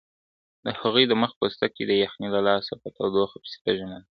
د هغې د مخ پوستکی د یخنۍ له لاسه په تودوخه پسې تږی معلومېده.